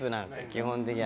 基本的に。